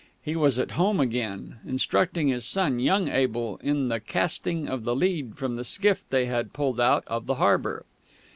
He was at home again, instructing his son, young Abel, in the casting of the lead from the skiff they had pulled out of the harbour.